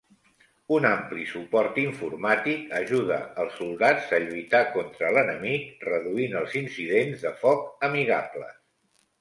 Un ampli suport informàtic ajuda els soldats a lluitar contra l'enemic reduint els incidents de foc amigables.